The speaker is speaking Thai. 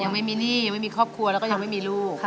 ยังไม่มีหนี้ไม่มีครอบครัวแล้วก็ยังไม่มีลูก